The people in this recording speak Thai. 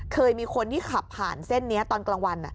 เคยมีคนที่ขับผ่านเส้นนี้ตอนกลางวัน